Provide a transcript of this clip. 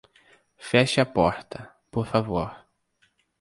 Feche a porta, por favor.